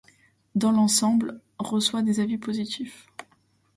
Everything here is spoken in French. Dans l'ensemble, ' reçoit des avis positifs.